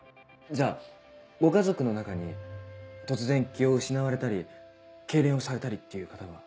じゃあご家族の中に突然気を失われたり痙攣をされたりっていう方は？